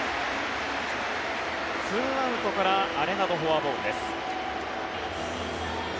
２アウトからアレナド、フォアボールです。